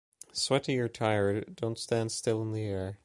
Sweaty or tired, don’t stand still in the air.